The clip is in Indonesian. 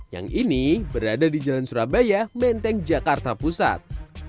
yang ini berada di jalan surabaya menteng jakarta pusat